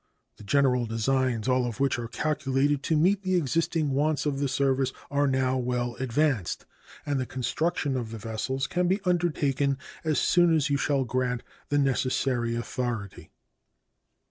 The general designs, all of which are calculated to meet the existing wants of the service, are now well advanced, and the construction of the vessels can be undertaken as soon as you shall grant the necessary authority.